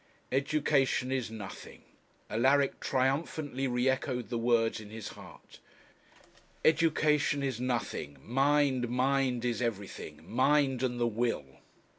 Education is nothing! Alaric triumphantly re echoed the words in his heart 'Education is nothing mind, mind is everything; mind and the will.'